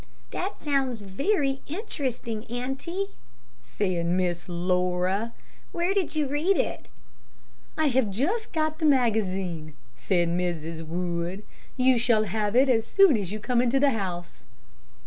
"That sounds very interesting, auntie," said Miss Laura. "Where did you read it?" "I have just got the magazine," said Mrs. Wood; "you shall have it as soon as you come into the house."